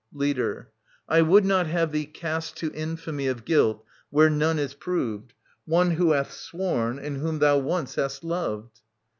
Leader. I would not have thee cast to infamy Of guilt, where none is proved, One who hath sworn and whom thou once hast loved.